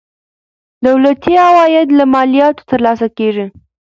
دولتي عواید له مالیاتو ترلاسه کیږي.